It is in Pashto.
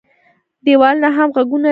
ـ دېوالونو هم غوږونه لري.